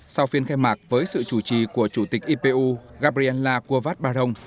sau phiên khai mạc với sự chủ trì của chủ tịch ipu gabriela cuovat barong